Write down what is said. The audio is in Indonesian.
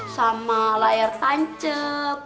sama layar tancep